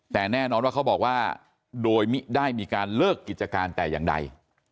แต่แน่นอนว่าเขาบอกว่าโดยมิได้มีการเลิกกิจการแต่อย่างใด